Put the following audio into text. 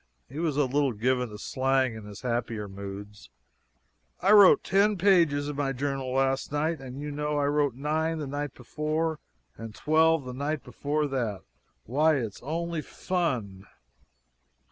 (he was a little given to slang in his happier moods.) "I wrote ten pages in my journal last night and you know I wrote nine the night before and twelve the night before that. Why, it's only fun!"